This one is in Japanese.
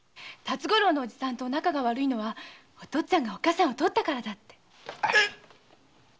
辰五郎のおじさんと仲が悪いのはお父っつぁんがおっかさんを奪ったからだって。